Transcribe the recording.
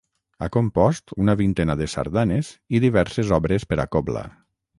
Ha compost una vintena de sardanes i diverses obres per a cobla.